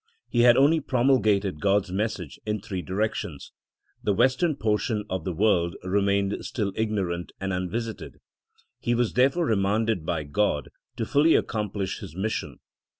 He had only promulgated God s message in three directions. The western portion of the world remained still ignorant and un visited. He was there fore remanded by God to fully accomplish his mission.